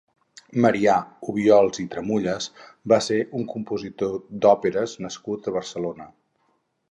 Marià Obiols i Tramullas va ser un compositor d'òperes nascut a Barcelona.